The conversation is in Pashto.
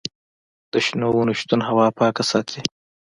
د شنو ونو شتون هوا پاکه ساتي.